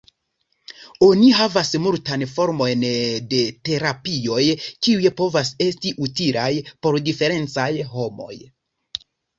Oni havas multan formojn de terapioj, kiuj povas esti utilaj por diferencaj homoj.